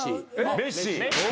メッシ。